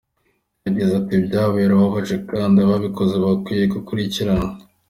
Yagize ati ”Ibyabaye birababaje kandi ababikoze bakwiye gukurikiranwa“.